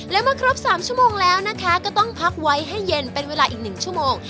และเมื่อครบ๓ชั่วโมงแล้วนะคะก็ต้องพักไว้ให้เย็นเป็นเวลาอีก๑ชั่วโมง